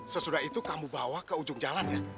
sesudah itu kamu bawa ke ujung jalan ya